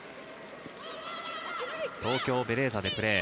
東京ベレーザでプレー。